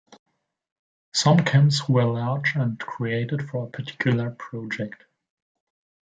Some camps were large and created for a particular project.